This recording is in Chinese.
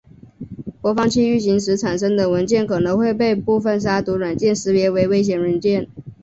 播放器运行时产生的文件可能会被部分杀毒软件识别为危险文件。